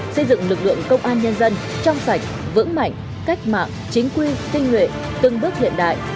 xây dựng lực lượng công an nhân dân trong sạch vững mạnh cách mạng chính quy tinh nguyện từng bước hiện đại